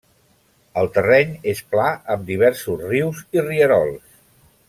El terreny és pla amb diversos rius i rierols.